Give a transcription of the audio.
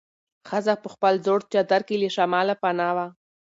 ښځه په خپل زوړ چادر کې له شماله پناه وه.